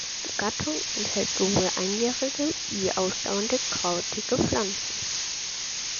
Die Gattung enthält sowohl einjährige wie ausdauernde krautige Pflanzen.